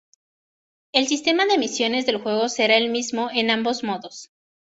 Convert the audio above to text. El sistema de misiones del juego será el mismo en ambos modos.